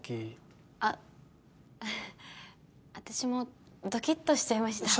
私もドキッとしちゃいました。